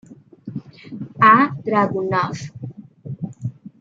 A. Dragunov.